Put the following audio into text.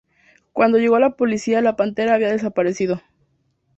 Cuándo llegó la policía la pantera había desaparecido.